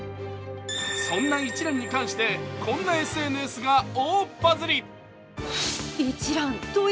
そんな一蘭に関して、こんなＳＮＳが大バズり。